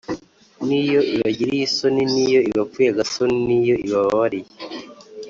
n’iyo ibagiriye isoni: n’iyo ibapfuye agasoni, n’iyo ibabariye